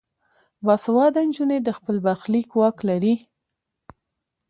باسواده نجونې د خپل برخلیک واک لري.